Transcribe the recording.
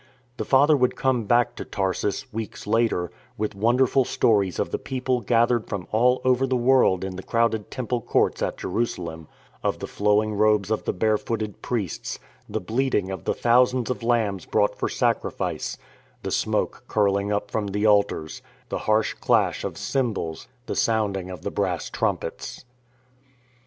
The father would come back to Tarsus, weeks later, with wonderful stories of the people gathered from all over the world in the crowded Temple courts at Jerusa lem, of the flowing robes of the bare footed priests, the bleating of the thousands of lambs brought for sacri fice, the smoke curling up from the altars, the harsh clash'of cymbals, the sounding of the brass trumpets.